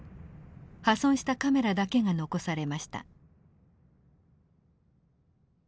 破損したカメラだけが残されました。